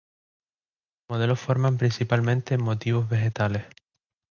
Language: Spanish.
Los modelos forman principalmente motivos vegetales.